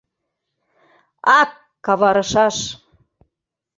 — Ак, каварышаш!..